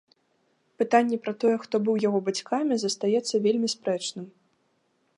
Пытанне пра тое, хто быў яго бацькамі, застаецца вельмі спрэчным.